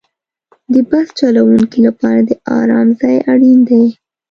د بس چلوونکي لپاره د آرام ځای اړین دی.